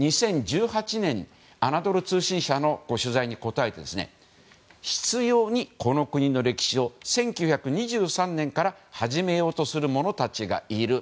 ２０１８年アナドル通信社の取材に答えて執拗にこの国の歴史を１９２３年から始めようとする者たちがいる。